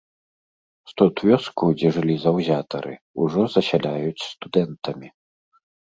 Студвёску, дзе жылі заўзятары, ужо засяляюць студэнтамі.